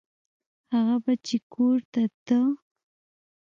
هغه به چې کور ته ته.